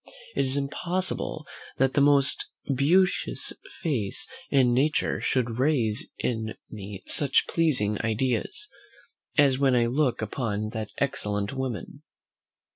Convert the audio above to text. It is impossible, that the most beauteous face in nature should raise in me such pleasing ideas, as when I look upon that excellent woman.